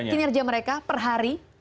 kinerja mereka per hari